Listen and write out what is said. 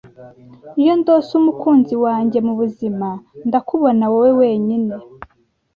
iyo ndose umukunzi wanjye mubuzima, ndakubona. wowe wenyine.